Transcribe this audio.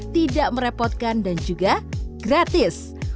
tidak merepotkan dan juga gratis